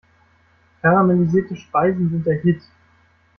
Karamellisierte Speisen sind der Hit!